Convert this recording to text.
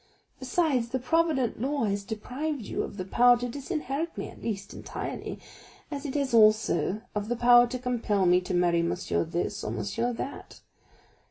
Besides, the provident law has deprived you of the power to disinherit me, at least entirely, as it has also of the power to compel me to marry Monsieur This or Monsieur That.